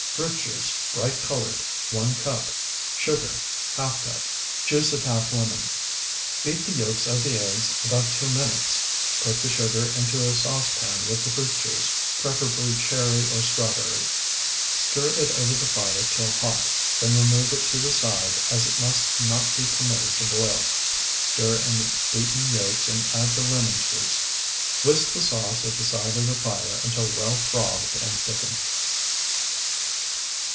Fruit juice, bright colored, 1 cup. Sugar, ½ cup. Juice of ½ lemon. Beat the yolks of the eggs about two minutes; put the sugar into a saucepan with the fruit juice (preferably cherry or strawberry); stir it over the fire till hot, then remove it to the side, as it must not be permitted to boil. Stir in the beaten yolks and add the lemon juice. Whisk the sauce at the side of the fire until well frothed and thickened.